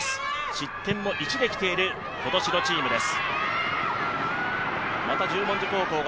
失点も１で来ている今年のチームです。